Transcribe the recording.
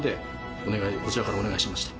こちらからお願いしました。